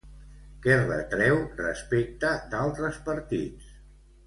Què retreu respecte d'altres partits?